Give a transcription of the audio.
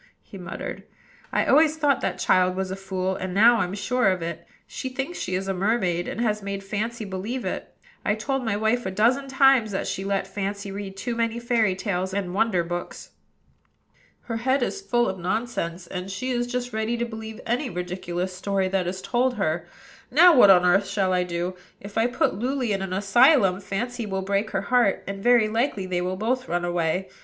he muttered. "I always thought that child was a fool, and now I'm sure of it. She thinks she is a mermaid, and has made Fancy believe it. I've told my wife a dozen times that she let Fancy read too many fairy tales and wonder books. Her head is full of nonsense, and she is just ready to believe any ridiculous story that is told her. Now, what on earth shall I do? If I put Luly in an asylum, Fancy will break her heart, and very likely they will both run away.